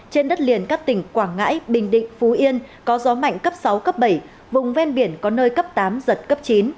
trên đất liền các tỉnh quảng ngãi bình định phú yên có gió mạnh cấp sáu cấp bảy vùng ven biển có nơi cấp tám giật cấp chín